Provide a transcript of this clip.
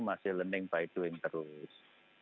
masih learning by doing terus